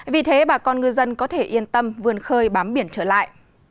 vì thế bà con ngư dân có thể yên tâm vươn khơi bám biển trở lại